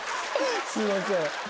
すいません。